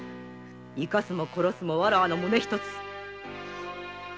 生かすも殺すもわらわの胸ひとつ！